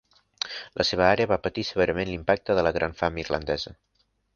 La seva àrea va patir severament l'impacte de la Gran Fam Irlandesa.